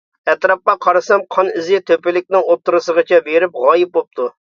ئەتراپقا قارىسام قان ئىزى تۆپىلىكنىڭ ئوتتۇرىسىغىچە بېرىپ غايىب بوپتۇ.